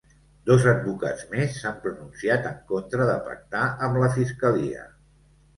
Dos advocats més s’han pronunciat en contra de pactar amb la fiscalia.